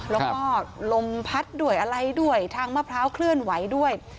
แล้วก็ลมพัดด้วยอะไรด้วยทางมะพร้าวเคลื่อนไหวด้วย